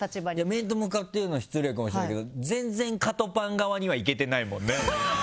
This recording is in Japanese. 面と向かって言うのは失礼かもしれないけど全然カトパン側には行けてないもんね。